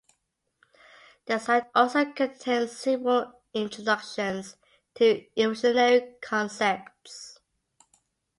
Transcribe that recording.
The site also contains simple introductions to evolutionary concepts.